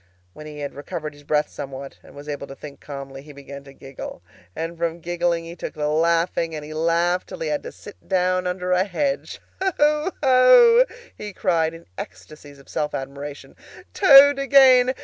When he had recovered his breath somewhat, and was able to think calmly, he began to giggle, and from giggling he took to laughing, and he laughed till he had to sit down under a hedge. "Ho, ho!" he cried, in ecstasies of self admiration, "Toad again!